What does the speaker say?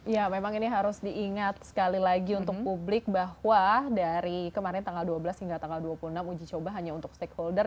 ya memang ini harus diingat sekali lagi untuk publik bahwa dari kemarin tanggal dua belas hingga tanggal dua puluh enam uji coba hanya untuk stakeholder